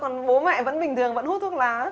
còn bố mẹ vẫn bình thường vẫn hút thuốc lá